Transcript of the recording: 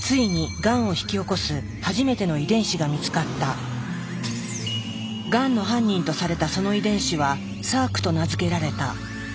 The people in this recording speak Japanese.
がんの犯人とされたその遺伝子は「サーク」と名付けられた。